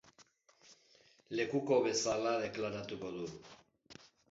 Lekuko bezala deklaratuko du.